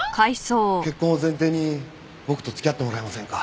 結婚を前提に僕と付き合ってもらえませんか？